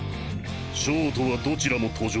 ショートはどちらも途上。